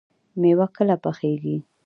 مېوه کله پخیږي؟